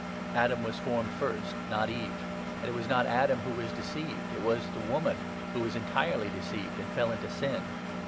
Adam was formed first, not Eve. And it was not Adam who 13, was deceived ; it was the woman who was entirely deceived and fell into sin.